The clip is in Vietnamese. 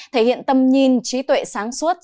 thể hiện tâm nhìn trí tuệ sáng suốt